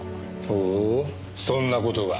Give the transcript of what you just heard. ほうそんな事が。